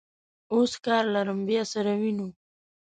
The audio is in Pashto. اوس کار لرم، بیا سره وینو.